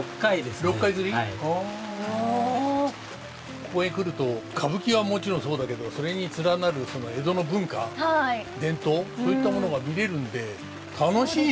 ここへ来ると歌舞伎はもちろんそうだけどそれに連なる江戸の文化伝統そういったものが見れるんで楽しいね。